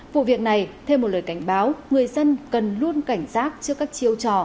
vụ việc này thêm một lời cảnh báo người dân cần luôn cảnh giác trước các chiêu trò